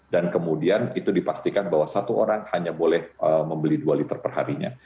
dan kemudian itu dipastikan bahwa satu orang hanya boleh membeli dua liter perharinya